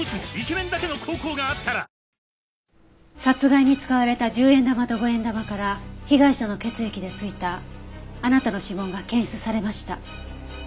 殺害に使われた１０円玉と５円玉から被害者の血液で付いたあなたの指紋が検出されました。